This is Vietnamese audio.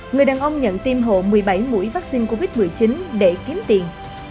người đàn ông nhận tiêm hộ một mươi bảy mũi vaccine covid một mươi chín để kiếm tiền